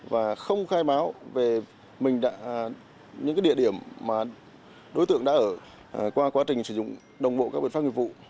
và không khai báo về những địa điểm mà đối tượng đã ở qua quá trình sử dụng đồng bộ các biện pháp nghiệp vụ